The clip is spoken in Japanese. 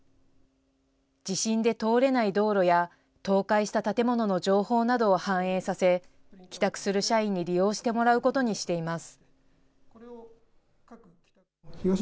地震で通れない道路や、倒壊した建物の情報などを反映させ、帰宅する社員に利用してもらうことにしています。